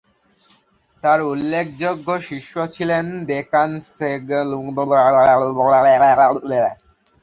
তার উল্লেখযোগ্য শিষ্য ছিলেন দ্কোন-ম্ছোগ-ল্হুন-গ্রুব নামক দশম ঙ্গোর-ছেন, সাংস-র্গ্যাস-সেং-গে নামক একাদশ ঙ্গোর-ছেন, নাম-ম্খা'-দ্পাল-ব্জাং নামক ত্রয়োদশ ঙ্গোর-ছেন প্রভৃতি।